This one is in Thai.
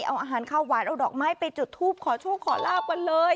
เป็นข้าวหวานเอาดอกไม้ไปจุดทูบขอโชคขอลาบไปเลย